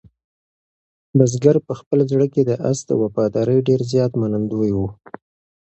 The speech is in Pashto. بزګر په خپل زړه کې د آس د وفادارۍ ډېر زیات منندوی و.